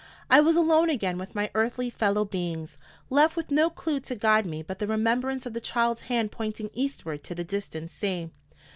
I was alone again with my earthly fellow beings left with no clew to guide me but the remembrance of the child's hand pointing eastward to the distant sea.